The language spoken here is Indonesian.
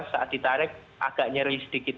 saat ditarik agak nyeri sedikit